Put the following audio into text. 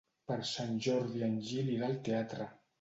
Per Sant Jordi en Gil irà al teatre.